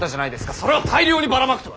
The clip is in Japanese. それを大量にばらまくとは。